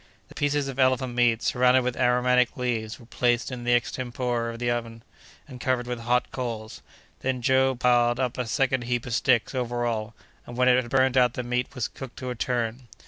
The pieces of elephant meat, surrounded with aromatic leaves, were placed in this extempore oven and covered with hot coals. Then Joe piled up a second heap of sticks over all, and when it had burned out the meat was cooked to a turn.